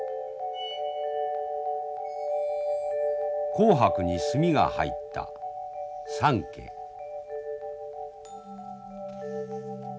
紅白に墨が入った三色。